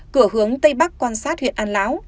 cửa hướng tây bắc quan sát huyện an láo